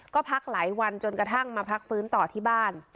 ก็พักหลายวันจนกระทั่งมาพักฟื้นต่อที่บ้าน